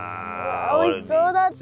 おいしそうだった！